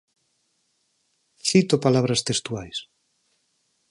Cito palabras textuais.